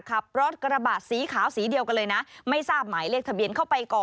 ขับรถกระบะสีขาวสีเดียวกันเลยนะไม่ทราบหมายเลขทะเบียนเข้าไปก่อ